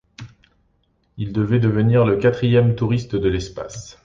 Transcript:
Il devait devenir le quatrième touriste de l'espace.